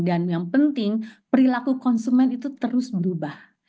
dan yang penting perilaku konsumen itu terus berubah